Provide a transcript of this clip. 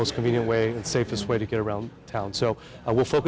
สำหรับแบนก็อทรีต์บิ๊กโกค